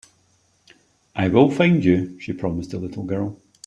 "I will find you.", she promised the little girl.